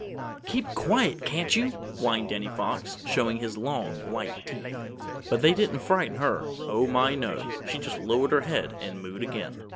"Keep quiet, can't you?" whined Danny Fox, showing his long white teeth. But they didn't frighten her. Oh, my, no! She just lowered her head and mooed again.